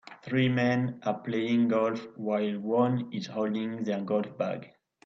Three men are playing golf while one is holding their golf bag.